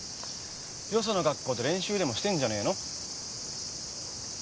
よその学校で練習でもしてんじゃねえの？